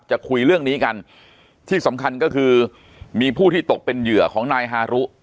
จะคุยเรื่องนี้กันที่สำคัญก็คือมีผู้ที่ตกเป็นเหยื่อของนายฮารุ